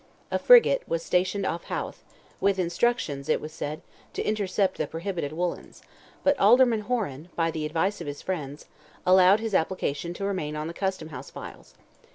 A frigate was stationed off Howth, with instructions, it was said, to intercept the prohibited woollens, but Alderman Horan, by the advice of his friends, allowed his application to remain on the custom house files.